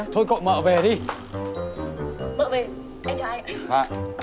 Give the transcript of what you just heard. thôi tôi về nha